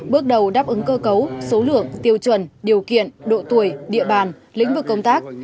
bước đầu đáp ứng cơ cấu số lượng tiêu chuẩn điều kiện độ tuổi địa bàn lĩnh vực công tác